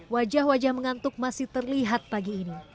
wajah wajah mengantuk masih terlihat pagi ini